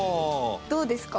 どうですか？